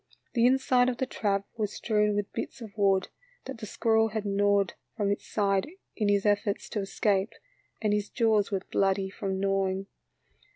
The inside of the trap was strewn with bits of wood that the squirrel had gnawed from its sides in his efforts to escape, and his jaws were bloody from gnawing.